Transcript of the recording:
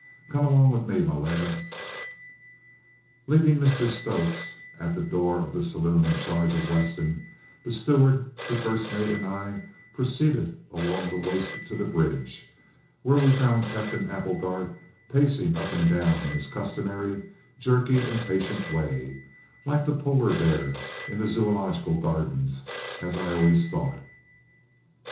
Come along with me, my lad!" Leaving Mr Stokes at the door of the saloon in charge of Weston, the steward, the first mate and I proceeded along the waist to the bridge, where we found Captain Applegarth pacing up and down in his customary jerky, impatient way, like the Polar bear in the Zoological Gardens, as I always thought.